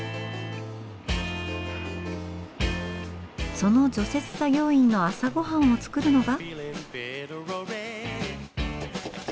その除雪作業員の朝ごはんを作るのが。